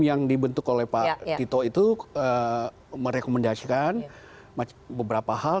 yang dibentuk oleh pak tito itu merekomendasikan beberapa hal